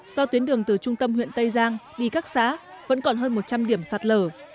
do tuyến đường từ trung tâm huyện tây giang đi các xã vẫn còn hơn một trăm linh điểm sạt lở